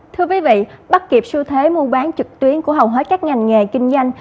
thưa quý vị bắt kịp xu thế mua bán trực tuyến của hầu hết các ngành nghề kinh doanh